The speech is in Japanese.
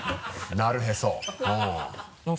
なるへそ。